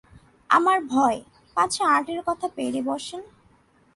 আমার ভয়, পাছে আর্টের কথা পেড়ে বসেন।